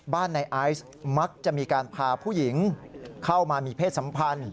ในไอซ์มักจะมีการพาผู้หญิงเข้ามามีเพศสัมพันธ์